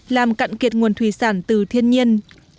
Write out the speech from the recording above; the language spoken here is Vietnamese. làm cạn kiệt nguồn thủy sản từ thiên nhiên